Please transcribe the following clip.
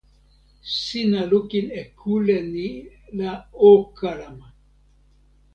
sina lukin e kule ni la o kalama.